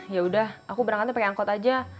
ya udah aku berangkatnya pakai angkot aja